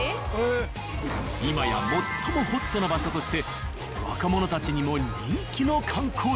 今や最もホットな場所として若者たちにも人気の観光地に。